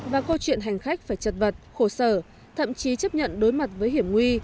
và câu chuyện hành khách phải chật vật khổ sở thậm chí chấp nhận đối mặt với hiểm nguy